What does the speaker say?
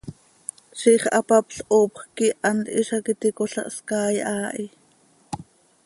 Ziix hapapl hoopjc quih hant hizac iti cola hscaai haa hi.